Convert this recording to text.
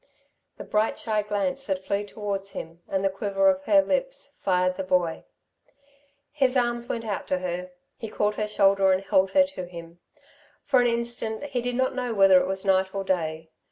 The bright shy glance that flew towards him, and the quiver of her lips, fired the boy. His arms went out to her. He caught her shoulder and held her to him. For an instant he did not know whether it was night or day.